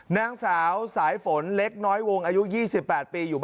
นางสาวสายฝนเล็กน้อยวงอายุ๒๘ปีอยู่